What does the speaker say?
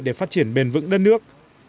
để phát triển bền vững đất nước